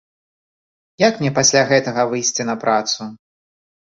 Як мне пасля гэтага выйсці на працу?